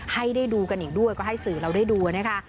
ให้ได้ดูกันอีกด้วยก็ให้สื่อเราได้ดูนะคะ